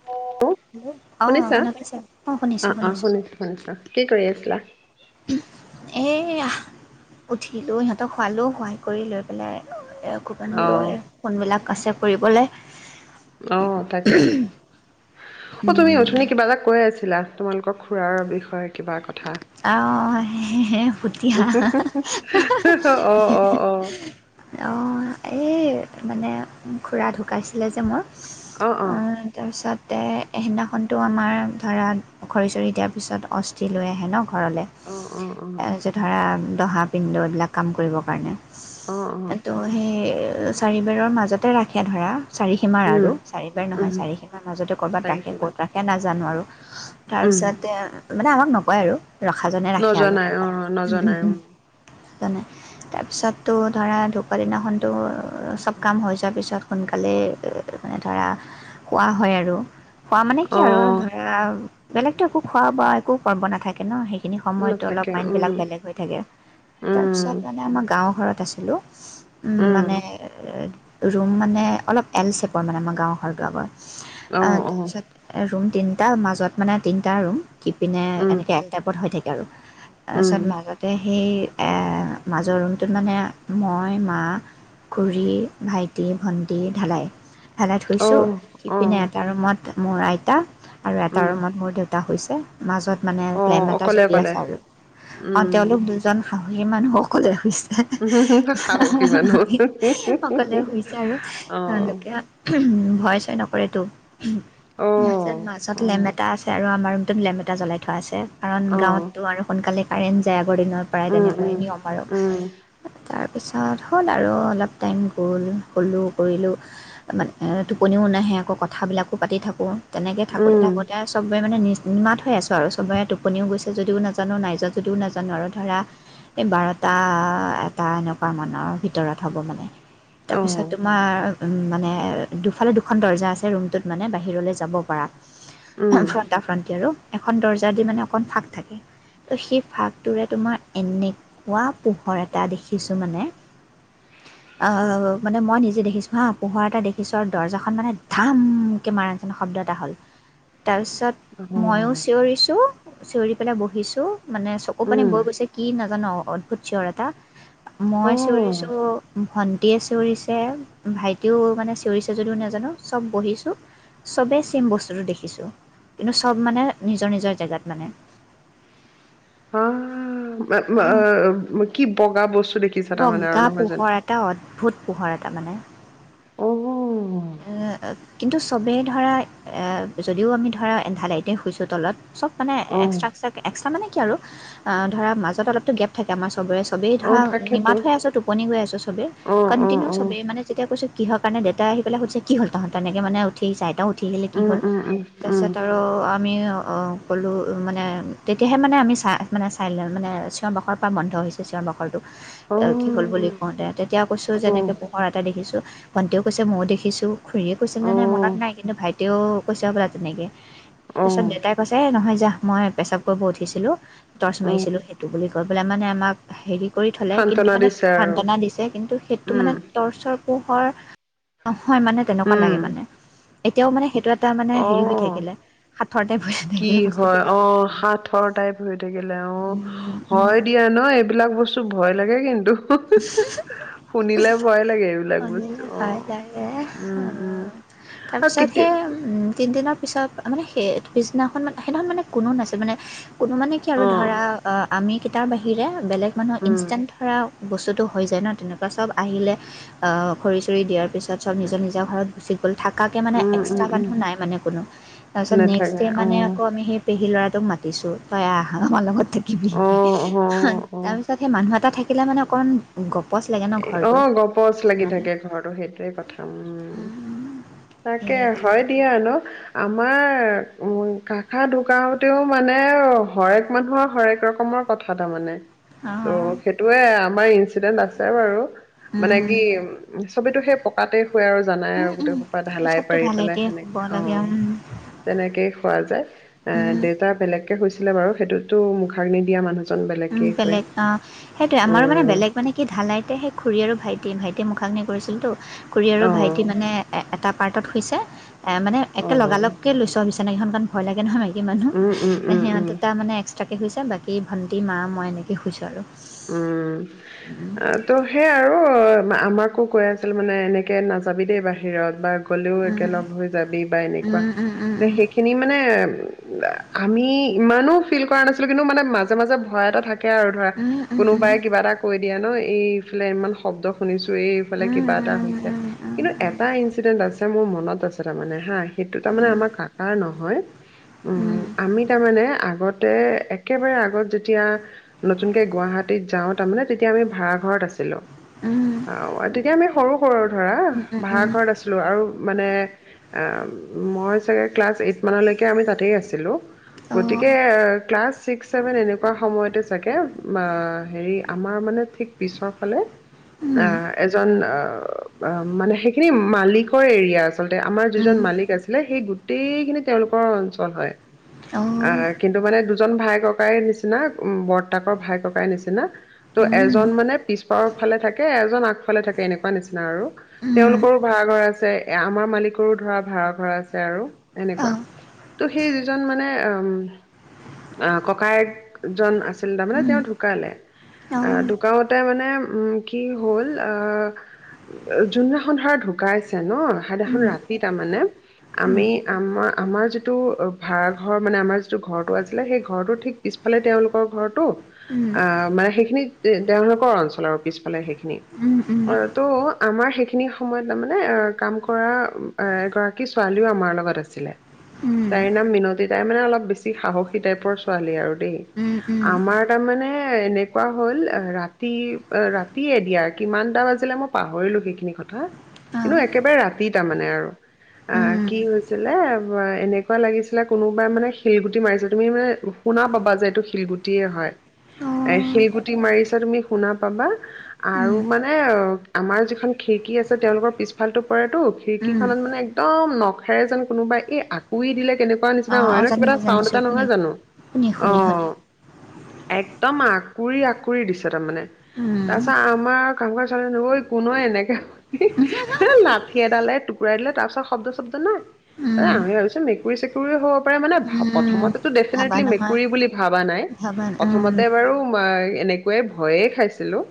[unintelligible] Hello অ', শুনিছা শুনা পাইছা? অ', শুনিছোঁ অ শুনিছোঁ। শুনিছো কি কৰি আছিলা? এয়া। উঠিলো সিহঁতক সুৱালো সোৱাই কৰি লৈ পেলাই অ [unintelligible] ফোনবিলাক আছে কৰিবলৈ। অ', তাকে। অ', তুমি উম, অথনি কিবা এটা কৈ আছিলা, তোমালোকৰ খুৰাৰ বিষয়ে কিবা কথা। অ', সে ফুতিহা। অ অ অ অ অ', এই মানে খুৰা ঢুকাইচিলে যে মোৰ। অ', অ'। তাৰপিছতে সেইদিনাখনতো আমাৰ ধৰা খৰি-চৰি দিয়াৰ পিছত অস্থি লৈ আহে ন'! ঘৰলৈ, অ এ যে ধৰা দহা, পিণ্ড এইবিলাক কাম কৰিব কাৰণে। অ অ ত' সেই চাৰিবাৰৰ মাজতে ৰাখে ধৰা, চাৰি সীমাৰ উম আৰু, চাৰিবাৰ নহয় উম চাৰিসীমাৰ মাজতে ক'ৰবাত ৰাখে, চাৰিসীমা ক'ত ৰাখে নাজানো আৰু। তাৰ উম পিছতে মানে আমাক নকয় আৰু, ৰখাজনে ৰাখে আৰু, নজনাই অ ক'ৰবাত হম, হম, নজনাই উম হম। তেনে তাৰপিছতো ধৰা ঢকুৱা দিনাখনতো চব কাম হৈ যোৱাৰ পিছত। সোনকালে ধৰা খোৱা হয় আৰু। খোৱা মানে কি অ আৰু ধৰা বেলেগতো একো খোৱা একো পৰ্ব নাথাকে ন' সেই সেইখিনি সময়তো অলপ নাথাকে উম মাইণ্ডবিলাক বেলেগ হৈ থাকে, উম তাৰপিছত মানে আমাৰ গাঁও ঘৰত আছিলোঁ, উম, মানে ৰুম মানে অলপ এল চেপৰ মানে আমাৰ গাৱৰ ঘৰ বিলাকৰ, অ অ তাৰপিছত ৰুম তিনিটা মাজত মানে তিনিটা ৰুম সিপিনে উম এনেকৈ এল টাইপত হৈ থাকে আৰু। উম তাৰপিছত মাজতে সেই এ মাজৰ ৰুমটোত মানে মই মা খুড়ী, ভাইটি, ভণ্টি, ঢালাই। ঢেলাইত অ শুইছোঁ, অ সিপিনে এটা ৰুমত মোৰ আইতা আৰু এটা উম ৰুমত মোৰ দেউতা শুইছে, মাজত মানে অ লেম এটা অকলে জ্বলি অকলে আছে আৰু অ', উম তেওঁলোক দু দুজন সাহসী মানুহ অকলে শুইছে। সাহসী মানুহ [unintelligible] অকলে শুইছে আৰু অহ তেওঁলোকে। [unintelligible] উম! ভয়-চয় নকৰেতো। [unintelligible] মাজত-মাজত লেম অহ এটা আছে আৰু আমাৰ ৰুমটোত লেম এটা জ্বলাই থোৱা আছে। কাৰণ অহ অহ গাঁৱতো আৰু সোনকালে কাৰেণ্ট যায় আগৰ দিনৰ পৰাই উম তেনেকুৱাই নিয়ম আৰু। উম তাৰ পিছত হ'ল আৰু অলপ টাইম গ'ল, শুলো, কৰিলোঁ। মানে টোপনিও নাহে আকৌ কথাবিলাকো পাতি থাকোঁ। তেনেকে উম উম থাকোতে-থাকোতে চবে মানে নি নিমাত হৈ আছো আৰু চবৰে টু টোপনিও গৈছে যদিও নাজানো, নাই যোৱা যদিও নাজানো আৰু ধৰা এই বাৰটা, এটা এনেকুৱা মানৰ ভিতৰত হ'ব মানে। অহ তাৰপিছত তোমাৰ উম, মানে দুফালে দুখন দৰ্জা আছে ৰুমটোত মানে বাহিৰলৈ যাব পাৰা। উম [unintelligible] [unintelligible] ফাণ্টি আৰু এখন দৰ্জা দি মানে অকণ ফাঁক থাকে তো সেই ফাকটোৰে তোমাৰ এনেকুৱা পোহৰ এটা দেখিছোঁ মানে [inaudible] আৰু মানে মই নিজে দেখিছোঁ হাঁ পোহৰ এটা দেখিছোঁ আৰু দৰ্জাখন মানে ধমকে মাৰা নিচিনা শব্দ এটা হ'ল। তাৰপিছত অহ মইও চিঞৰিছো চিঞৰি পেলাই বহিছোঁ মানে চ চকুপানী উম বৈ গৈছে কি নাজানো আৰু অদ্ভুত চিঞৰ এটা মই অহ চিঞৰিছোঁ, ভণ্টিয়ে চিঞৰিছে, ভাইটিও মানে চিঞৰিছে যদিও নাজানো। চব বহিছোঁ, চবেই ছেম বস্তুটো দেখিছোঁ কিন্তু চব মানে নিজৰ-নিজৰ জেগাত। মানে। [unintelligible] উম! আম আহ, কি বগা বস্তু দেখিছা তাৰ মানে আৰু বগা নহয় জানো? পোহৰ এটা অদ্ভুত পোহৰ এটা মানে। অ! এ কিন্তু চবেই যদিও আমি ধৰা এন্ধাৰ লাইতে শুইছোঁ তলত চব মানে অহ এক্সট্ৰাকে এক্সট্ৰা মানে কি আৰু ধৰা মাজত অলপতো গেপ থাকে আমাৰ চবৰে চবেই অহ ধৰা তাকেতো নিমাত হৈ আছো, টোপনি গৈ আছো চবেই অহ অহ কন্টিনিউ অহ চবে মানে যেতিয়া কৈছো কিহৰ কাৰণে দেউতাই আহি পেলাই সুধিছে কি হল তাহাঁতৰ তেনেকে মানে উঠি আহিছে, আইতাও উঠি আহিলে, কি উম হ'ল? উম উম তাৰপিছত আৰু আমিও ক'লোঁ মানে তেতিয়াহে মানে আমি চাই মানে চাইলেন মানে চিঞৰ বাখৰ পৰা বন্ধ হৈছে, চিঞৰ বাখৰটো। উম অহ কি হ'ল বুলি কওঁতে তেতিয়া কৈছো অহ যেনেকে পোহৰ এটা দেখিছো ভণ্টিও কৈছে মইও দেখি দেখিছো খুৰীয়ে কৈছিল নে নাই অহ মনত নাই কিন্তু ভাইটও কৈছে হবলা তেনেকে। তাৰপিছত অহ দেউতাই কৈছে এ নহয় যাহ মই পেচাপ কৰিব উঠিছিলোঁ। টৰ্চ অহ মাৰিছিলোঁ সেইটো বুলি কৈ পেলাই মানে আমাক হেৰি কৰি থলে সান্তনা কিন্তু মানে দিছে আৰু সান্ত্বনা দিছে কিন্তু সেইটো উম মানে টৰ্চৰ পোহৰ নহয় মানে তেনেকুৱা লাগে উম মানে। এতিয়াও মানে সেইটো এটা মানে হেৰি হৈ অ', থাকিলে সাঁথৰ টাইপ হৈ কি থাকিলে হয় বস্তুটো অঁ সাথৰ টাইপ হৈ থাকিলে অঁ হয় দি [unintelligible] ন' এইবিলাক বস্তু ভয় লাগে কিন্তু। শুনিলে ভয় লাগে [unintelligible] এইবিলাক বস্তু শুনিও ভয় অ'। লাগে উম। আৰু তাৰপিছত কেতিয়া সেই উম! তিনিদিনৰ পিছত মানে সেই পিছদিনাখন মানে, সেইদিনাখন মানে কোনো নাছিল মানে। কোনো মানে কি আৰু অ', ধৰা, আমি কেইটাৰ বাহিৰে বেলেগ মানুহ উম, ইনষ্টেণ্ট ধৰা বস্তুটো হৈ যায় ন তেনেকুৱা চব আহিলে অ! খৰি-চৰি দিয়াৰ পিছত চব নিজৰ-নিজৰ ঘৰত গুচি গ'ল, থাকাকে মানে উম, এক্সট্ৰা উম, উম। মানুহ নাই মানে কোনো। তাৰপিছত নেক্সট নাথাকে ডে অ', আকৌ আমি সেই- পেহী লৰাটোক মাতিছো, তই আহ আমাৰ লগত থাকিবি। অ', অ', তাৰ অ'। পিছত- সেই মানুহ এটা থাকিলে মানে অকণমান- গপচ লাগে ন। এ ঘৰটো অঁ, গপচ লাগি মানে থাকে ঘৰটো, সেইটোয়ে কথা, উম। তাকেই, হয় সেইবিলাক দিয়া ন। আমাৰ উম, কাকা ঢুকাওতেও মানে হৰেক মানুহৰ হৰেক ৰকমৰ- কথা তাৰ মানে। ত' সেইটোয়েই আমাৰ ইনঞ্চিডেণ্ট আছে বাৰু, মানে অঁ কি- চবেইটো সেই পকাতে শুয়ে আৰু জানাই উম আৰু উম গোটেইসোপা ঢালাই চবতো পাৰি পেলাই ঢালাইতে শুব সেনেকে লাগে অঁ। উম তেনেকেই শুৱা যায়। এ উম দেউতা বেলেগকে শুইছিলে বাৰু, সেইটোতো মুখাগ্নি দিয়া মানুহ। উম, বেলেগ অহ, সেইটোয়েই আমাৰ মানে উম বেলেগ মানে- কি ঢালাইতেই সেই খুৰী আৰু ভাইটি, ভাইটিয়ে মুখাগ্নি কৰিছিলতো। খুৰী আৰু অ ভাইটি- মানে এটা পাৰ্টত শুইছে, এ মানে অ একে লগালকে লৈছোঁ আৰু বিচনাগিখন, কাৰণ ভয় লাগে নহয়। মাইকীমানুহ, উম উম উম সিহঁত উম দুটা মানে এক্সট্ৰাকে শুইছে, বাকী ভণ্টি, মা, মই এনেকেই শুইছোঁ আৰু। উম। ত' সেইয়া আৰু আমাকো কৈ আছিল মানে এনেকে নাযাবি দেই বাহিৰত বা- গ'লেও উম একেলগ হৈ যাবি বা এনেকুৱা। উম উম এতিয়া সেইখিনি মানে- আমি ইমানো ফিল কৰা নাছিলো, কিন্তু মানে মাজে মাজে ভয় এটা থাকে আৰু ধৰা- উম উম উম উম কোনোবাই কিবা এটা কৈ দিয়া ন, এইফালে ইমান শব্দ শুনিছোঁ। এই ফালে উম উম উম উম উম উম উম উম উম উম কিবা এটা হৈছে, কিন্তু এটা ইনঞ্চিডেন্ট আছে মোৰ মনত আছে তাৰমানে হাঁ। সেইটো তাৰমানে আমাৰ কাকাৰ নহয়। উম, - আমি তাৰমানে আগতে, একেবাৰে আগত যেতিয়া নতুনকৈ গুৱাহাটী- ত যাওঁ তাৰমানে, তেতিয়া আমি ভাড়া ঘৰত আছিলোঁ। উম। অঁ, তেতিয়া আমি সৰু সৰু আৰু ধৰা ভাড়া ঘৰত আছোঁ। লোৱা আৰু মানে মই চাগে ক্লাছ এইট মানলৈকে আমি তাতেই আছিলোঁ। গতিকে ক্লাছ চিক্স, ছেভেন এনেকুৱা সময়তেই চাগে- হেৰি, আমাৰ মানে ঠিক পিছৰ ফালে অঁ- এজন মানে সেইখিনি মালিকৰ এৰিয়া। আচলতে আমাৰ উম যিজন মালিক আছিলে, সেই গোটেইখিনি তেওঁলোকৰ অঞ্চল হয়। অ উম কিন্তু মানে দুজন ভাই -ককাইৰ নিচিনা, উম বৰ্তাকৰ ভাই -ককাইৰ নিচিনা। ত' এজন মানে পিছপাৰৰ ফালে থাকে, এজন আগ- ফালে থাকে, এনেকুৱা নিচিনা আৰু তেওঁলোকৰো ভাড়াঘৰ আছে। এই আমাৰ মালিকৰো ধৰা ভাড়া আছে আৰু। এনেকুৱা। ত' সেই যিজন মানে উম, আহ ককায়েক- জন আছিল তাৰ মানে তেওঁ ঢুকালে। আহ- ঢুকাওঁতে মানে উম, কি হ'ল? যোন দিনাখন ধৰা ঢুকাইছে- ন, সেই দিনাখন ৰাতি তাৰ মানে আমি আমাৰ- আমাৰ যিটো ভাড়াঘৰ মানে আমাৰ যিটো ঘৰটো আছিলে, সেই ঘৰটো ঠিক পিছফালে তেওঁলোকৰ ঘৰটো। আহ, মানে সেইখিনি তেওঁলোকৰ অঞ্চল আৰু পিছফালে সেইখিনি, অঁ। ত' আমাৰ সেইখিনি সময়ত তাৰমানে অঁ কাম কৰা এগৰাকী ছোৱালীও আমাৰ লগত আছ- ছিলে। উম। তাইৰ নাম মিনতী। তাইৰ মানে অলপ বেছি সাহসী টাইপৰ ছোৱালী আৰু দেই। আমাৰ- তাৰমানে এনে এনেকুৱা হ'ল ৰাতি ৰাতিয়ে দিয়া কিমানটা মই পাহৰিলো সেইখিনি কথা। কিন্তু একেবাৰে ৰাতি তাৰমানে আৰু আহ কি হৈছিলে বা এনেকুৱা লাগিছিলে কোনোবাই মানে শিলগুটি মাৰিছে তুমি মানে শুনা পাবা যে শিলগুটিয়ে হয়। অ'। এ, শিলগুটি মাৰিছে তুমি শুনা পাবা আৰু মানে আমাৰ যিখন খিৰিকী আছে তেওঁলোকৰ পিছফালতটো পৰেতো খিৰিকীখনত মানে একদম নখেৰে যেন কোনোবা এই আ পুই দিলে কেনেকুৱা নিচিনা হয় অ', অ', ন' কিবা এটা জানিছোঁ, চাউড জানিছোঁ। এটা শুনি, নহয় জানো শুনি, শুনি, শুনি। অ'। একদম আকুৰি আকুৰি দিছে তাৰমানে। উম, তাৰ পাছত আমাৰ কামকৰা ছোৱালীজনি ঐ কোন ঐ এনেকে উহু, এ লাঠি এডালে টুকুৰাই দিলে তাৰ পিছত শব্দ চব্দ নাই। উম, আমি ভাবিছে মেকুৰী চেকুৰীও হ'ব পাৰে মানে উম, প্ৰথমতে ভাবা দেফাইনটলি নহয়, মেকুৰী বুলি ভাবা নাই ভাবা উম, প্ৰথমতে আৰু এনেকুৱাই খাইছিলো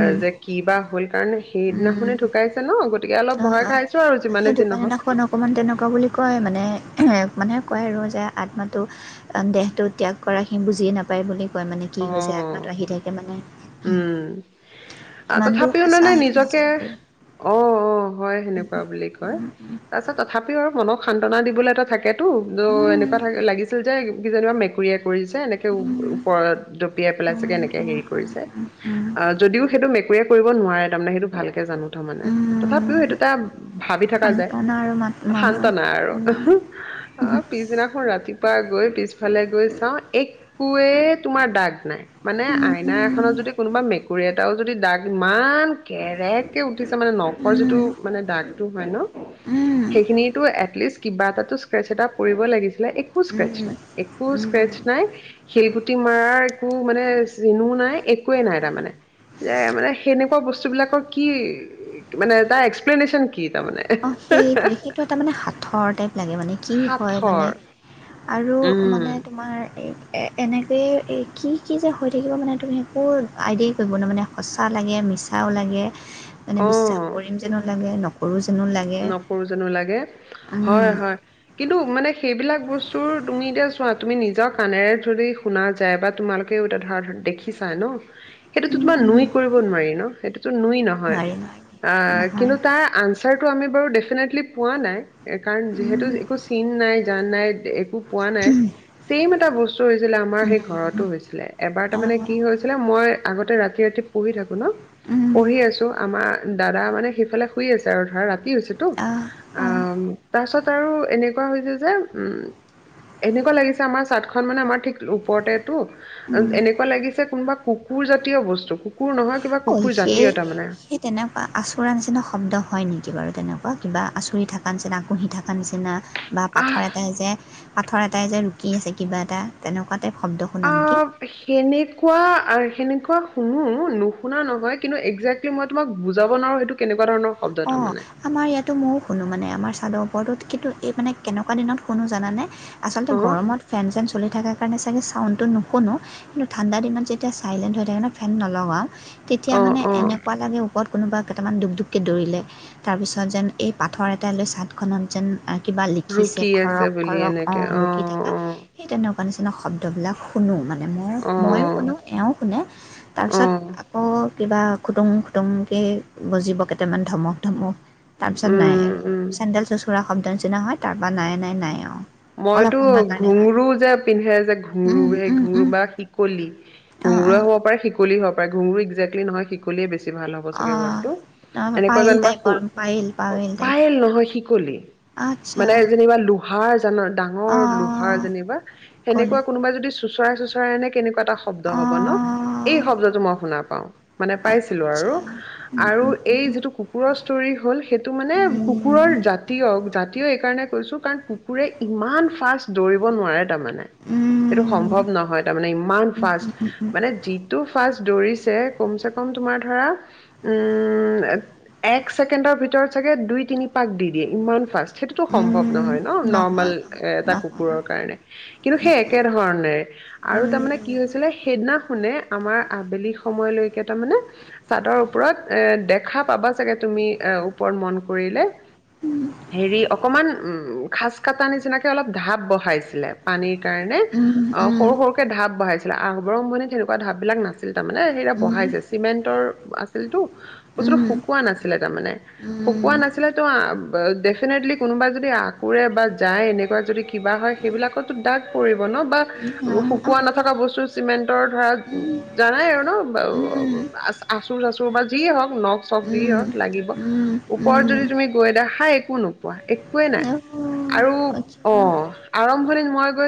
অ, যে কি বা হ'ল কাৰণে উম, সেইদিনাখননে ঢুকাইছে ন' গতিকে অলপ অ', ভয় অ'। খাইছে। সেই দোকান এটাখন অকমান তেনেকুৱা বুলি কয় মানে, মানে কয় আৰু যে আত্মাতটো দেহটো ত্যাগ কৰা সি বুজিয়ে নাপায় বুলি কয় মানে কি অ হৈছে আতনাত আহি থাকে মানে। উম আ, কিমান দূৰ তথাপিও মানে সঁচা সেইটো নিজকে নাজানো বাৰু। অ', অ', হয় উম, সেনেকুৱা বুলি কয়। উম, তাৰপিছত তথাপিও আৰু মনক সান্তনা দিবলৈ এটা থাকেতো ত, উম, উম, উম, এনেকুৱা থ লাগিছিল যে কি যেনিবা মেকুৰীয়েক কৰিছে এনেকে উম, উম, উম, উম, ওপৰত দপিয়াই পেলাই চাগে এনেকে হেৰি কৰিছে। অ, যদিও সেইটো মেকুৰীয়ে কৰিব নোৱাৰে তাৰমানে সেইটো ভালকে জানো থ মানে। তথাপিও সেইটো এটা ভাবি থকা যায়, সান্তনা আৰু মাত মানুহ সান্ত্বনা আৰু। অ, পিছদিনাখন ৰাতিপুৱা গৈ পিছফালে গৈ চাওঁ একোৱেই তোমাৰ দাগ নাই। মানে আইনা এখনত যদি কোনোবা মেকুৰী এটাও যদি দাগ ইমান কেৰেক কে উঠিছে মানে নখৰ যিটো মানে দাগটো হয় ন'। সেইখিনিতো এটলিষ্ট কিবা এটাতো স্ক্ৰেছ এটা পৰি কৰিব লাগিছিলে একো স্ক্ৰেচ নাই। একো স্ক্ৰেচ নাই। শিলগুটি টি মাৰাৰ একো মানে চিনো নাই একোৱেই নাই তাৰমানে। যে মানে সেনেকুৱা বস্তু বিলাকৰ কি মানে তাৰ এক্সপ্লেনেশচন কি তাৰমানে? অ, সেইটোৱে সেইটো এটা মানে সাঁথৰ টাইপ লাগে মানে কি হয় মানে? সাঁথৰ আৰু মানে উম, তোমাৰ এই এ, এনেকয়ে এ কি কি যে হৈ থাকিব মানে তুমি একো আইডিয়াই কৰিব নোৱাৰা মানে সঁচা লাগে, মিছাও লাগে, মানে বিশ্বাস অ', কৰিম যেনো লাগে, নকৰো যেনো লাগে। নকৰো যেনো লাগে, উম, হয় হয়। কিন্তু মানে সেইবিলাক বস্তু তুমি এতিয়া চোৱা তুমি নিজৰ কাণেৰে যদি শুনা যায় বা তোমালোক ধৰা দেখিচাই ন' সেইটোতো তোমাৰ উম, নুই কৰিব নোৱাৰি ন' সেইটোতো নুই ন হয়, নোৱাৰি নোৱাৰি আ নহয় কিন্তু তাৰ আঞ্চাৰটো আমি বাৰু দেফিনেটলী পোৱা নাই। এ, কাৰণ যিহেতু উম, একো চিন নাই জান নাই একো পোৱা নাই চেইম এটা বস্তু হৈছিলে আমাৰ সেই উম, ঘৰতো হৈছিলে, এবাৰ তাৰমানে আহ, কি হৈছিলে মই আগতে ৰাতি ৰাতি পঢ়ি থাকো ন' উম, পঢ়ি আছোঁ। আমাৰ দাদা মানে সেইফালে শুই আছে আৰু ধৰা ৰা বাকী হৈছেটো, আহ তাৰ পাছত আৰু এনেকুৱা হৈছে যে উম এনেকুৱা লাগিছে আমাৰ চাটখন মানে আমাৰ ঠিক ওপৰতেটো এনেকোৱা লাগিছে কোনোবা কুকুৰ জাতীয় বস্তু কুকুৰ নহয় কিবা ঐ কুকুৰ সে জাতীয় তাৰমানে সেই তেনেকোৱা আঁচোৰা নিচিনা শব্দ হয় নেকি বাৰু তেনেকোৱা কিবা আঁচুৰি থকা নিচিনা আকুহি থকা নিচিনা বা পাথৰ আহ এটাই যে পাথৰ এটাই যে ৰুকি আছে কিবা এটা তেনেকোৱা টাইপ শব্দ শুনা নেকি? সেনেকোৱা আ সেনেকোৱা শুনো নুশুনা নহয়, কিন্তু একজেক্ট কি মই তোমক বুজাব নোৱাৰো সইটো কেনেকোৱা ধৰণৰ শব্দ অ', তাৰমানে। আমাৰ ইয়াতো ময়ো শুনো মানে আমাৰ চাদৰ ওপৰতো, কিন্তু এই মানে কেনেকোৱা দিনত শুনো জানানে আচলতে অ গৰমত ফেন চেন চলি থকাৰ কাৰণে চাগে ছাউণ্ডটো নুশুনো। কিন্তু ঠাণ্ডা দিনত যেতিয়া চাইলেণ্ট হৈ থাকে ন ফেন নলগাও তেতিয়া অ মানে অ এনেকোৱা লাগে ওপৰত কোনোবা কেইটামান দুপ দুপকে দৌৰিলে। তাৰপিছত যেন এই পাথৰ এটাই লৈ চাডখনত যেন কিবা লিখিছে ৰুকি আছে খৰক বুলি খৰক এনেকে অ' ৰুকি থাকে। সেই তেনেকোৱা নিচিনা শব্দবিলাক শুনো মানে। মই অ ময়ো শুনো এও শুনে অ অ তাৰপিছত আকৌ কিবা খুটুং খুটুংকে বজিব কেইটামান ধমক ধমক তাৰপিছত নাই উম আৰু উম চেণ্ডেল চোচোৰা শব্দ নিচিনা হয়, তাৰপৰা নাই নাই নাই আৰু। অলপ মইতো সময়ৰ কাৰণে হয় ঘুঁঙুৰো যে পিন্ধে যে ঘুঁঙুৰো উম সেই উম ঘুঁঙুৰো উম বা শিকলি অঁ ঘুঁঙুৰো অঁ হব পাৰে শিকলি হব পাৰে, ঘুঁঙৰু একজেক্টলি নহয় শি লিয়ে বেছি ভাল হ'ব চাগে অঁ ৱৰ্ডটো, অঁ এনেকোৱা পায়েল যেনিবা টাইপৰ সু পায়েল অ টাইপ পায়ে'ল নহয় শিকলি আচ্ছা মানে যেনিবা লো হাৰ জানা ডাঙৰ লোহাৰ অঁ যেনিবা, ক'লি সেনেকোৱা কোনোবা যদি চো চোচৰাই চোচৰাই আনে কেনেকোৱা এটা শব্দ হব ন অঁ এই শব্দটো মই শুনা পাওঁ। মানে পাইছিলো আচ্ছা আৰু, উম আৰু উম উম এই যিটো কুকুৰৰ ষ্টৰী হ'ল সেই টো মানে উম কুকুৰৰ জাতীয়, জাতীয় এই কাৰণে কৈছো কাৰণ কু কুৰে ইমান ফাৰ্ষ্ট দৌৰিব নোৱাৰে তাৰমানে সেইটো উম সম্ভৱ নহয় তাৰমানে ইমান উম উম ফাৰ্ষ্ট মানে যিটো ফাৰ্ষ্ট দৌৰিছে কমচেকম তোমাৰ ধৰা উম এক ছেকেণ্ডৰ ভিতৰত চাগে দুই তিনি পাক দি দিয়ে ইমান ফাৰ্ষ্ট সেই টো সম্ভৱ উম নহয় ন নৰ্মেল নহয় এ এটা নহয় কুকুৰৰ কাৰণে, কিন্তু সেই নহয় একেধৰণেৰে আৰু নহয় তাৰমানে উম কি হৈছিলে সেইদিনাখনে আমাৰ আবেলি সময়লৈকে তাৰমানে চাদৰ ওপৰত এ দেখা পাবা চাগে তুমি এ ওপৰত মন কৰিলে হেৰি অকমান উম খাজ কটা নিচিনাকে অলপ ঢাপ বহাইছিলে। পানীৰ কাৰণে অ সৰু সৰুকে ঢাপ বহাইছিলে, আৰম্ভণিত তেনেকোৱা ঢাপ বিলাক না ছিল তাৰমানে, সেইয়া বহাইছে চিমেণ্টৰ আছিলতো। বস্তুটো শুকোৱা নাছিলে তাৰমানে শুকোৱা নাছিলেতো আ এ ডেফিনেটলি কোনোবা যদি আঁকুৰে বা যায় এনেকোৱা যদি কিবা হয়, সেইবিলাকততো ডাগ পৰিব ন বা শুকোৱা নথকা বস্তু চিমেন্টৰ ধৰা জানাই আৰু ন অ আ আচোৰ চাচোৰ বা যিয়ে হওঁক নখ চখ যিয়ে হওঁক লাগিব। ওপৰত যদি তুমি গৈ দেখা একো নোপোৱা একোৱেই নাই হয় আৰু অ' আৰম্ভণিত মই গৈ